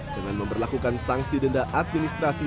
dengan memperlakukan sanksi denda administrasi